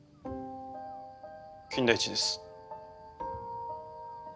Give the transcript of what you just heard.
金田一です。